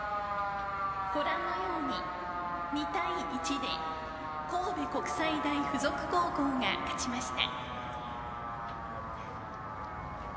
ご覧のように２対１で神戸国際大付属高校が勝ちました。